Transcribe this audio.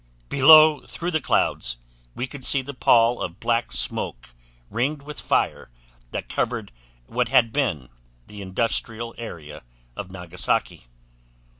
Below through the clouds we could see the pall of black smoke ringed with fire that covered what had been the industrial area of Nagasaki.